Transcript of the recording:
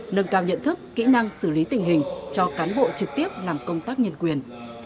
nâng cao nhận thức kỹ năng xử lý tình hình cho cán bộ trực tiếp làm công tác nhân quyền